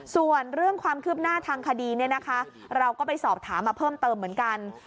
ส่วนเรื่องความคืบหน้าทางคดีเนี่ยนะคะเราก็ไปสอบถามมาเพิ่มเติมเหมือนกัน